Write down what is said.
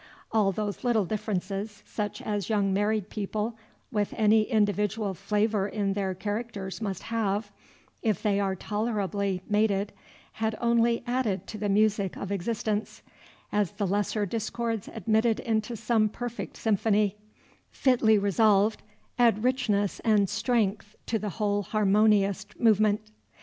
All those little differences, such as young married people with any individual flavor in their characters must have, if they are tolerably mated, had only added to the music of existence, as the lesser discords admitted into some perfect symphony, fitly resolved, add richness and strength to the whole harmonious movement.